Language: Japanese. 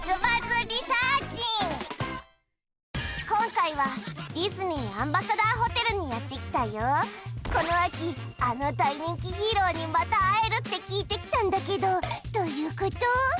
今回はディズニーアンバサダーホテルにやってきたよこの秋あの大人気ヒーローにまた会えるって聞いてきたんだけどどういうこと？